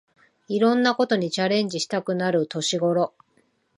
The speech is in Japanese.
いろんなことにチャレンジしたくなる年ごろ